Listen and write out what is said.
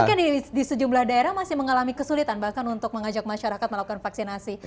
tapi kan di sejumlah daerah masih mengalami kesulitan bahkan untuk mengajak masyarakat melakukan vaksinasi